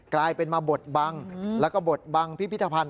กลายเป็นมาบทบังแล้วก็บทบังพิพิธภัณฑ